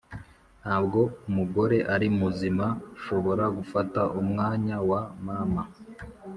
ntabwo umugore ari muzima ushobora gufata umwanya wa mama